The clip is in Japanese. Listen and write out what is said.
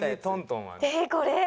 えっこれ？